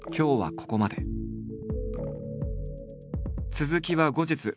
続きは後日。